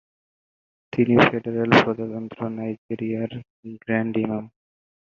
তিনি ফেডারেল প্রজাতন্ত্র নাইজেরিয়ার গ্র্যান্ড ইমাম।